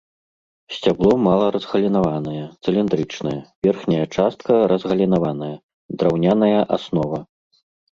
Сцябло мала разгалінаванае, цыліндрычнае, верхняя частка разгалінаваная, драўняная аснова.